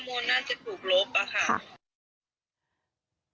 ข้อมูลน่าจะถูกลบแหละค่ะ